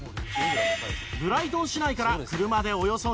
ブライトン市内から車でおよそ２０分。